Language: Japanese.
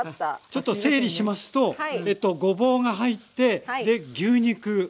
ちょっと整理しますとごぼうが入ってで牛肉。